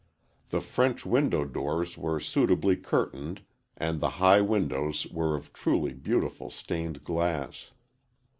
The French window doors were suitably curtained and the high windows were of truly beautiful stained glass.